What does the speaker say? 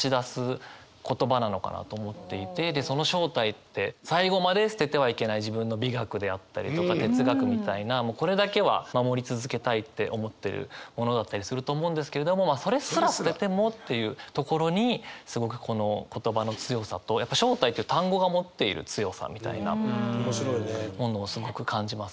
でその正体って最後まで捨ててはいけない自分の美学であったりとか哲学みたいなもうこれだけは守り続けたいって思ってるものだったりすると思うんですけれどもそれすら捨ててもっていうところにすごくこの言葉の強さとやっぱ「正体」って単語が持っている強さみたいなものをすごく感じますね。